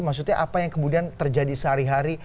maksudnya apa yang kemudian terjadi sehari hari